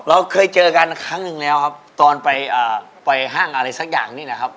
เราเคยเจอกันครั้งหนึ่งแล้วครับตอนไปห้างอะไรสักอย่างนี่แหละครับ